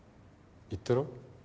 言ったろ？